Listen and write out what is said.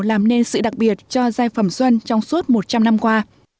làm nên sự đặc biệt cho giai phẩm xuân trong suốt một trăm linh năm qua